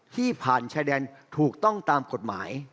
ที่ผ่านชายแดนถูกต้องตามกฎหมาย